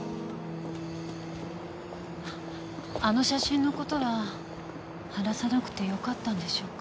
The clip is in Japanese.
あの写真の事は話さなくてよかったんでしょうか？